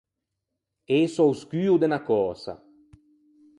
Ëse a-o scuo de unna cösa.